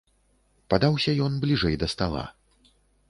Падаўся ён бліжэй да стала.